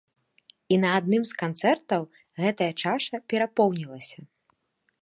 І на адным з канцэртаў гэтая чаша перапоўнілася.